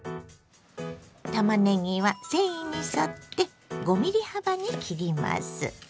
たまねぎは繊維に沿って５ｍｍ幅に切ります。